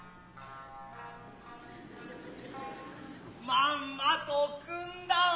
まんまと汲んだわ。